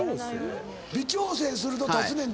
微調整すると立つねんて。